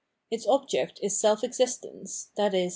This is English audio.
Its object is self existence, i.e.